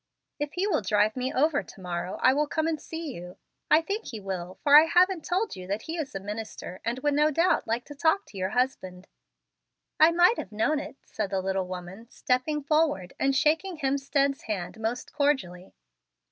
If he will drive me over to morrow, I will come and see you. I think he will, for I haven't told you that he is a minister, and would, no doubt, like to talk to your husband." "I might have known it," said the little woman, stepping forward and shaking Hemstead's hand most cordially.